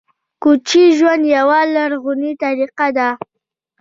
کوچي ژوند یوه لرغونې طریقه ده